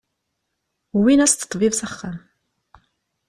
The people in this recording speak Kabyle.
Wwin-as-d ṭṭbib s axxam.